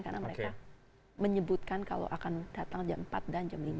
karena mereka menyebutkan kalau akan datang jam empat dan jam lima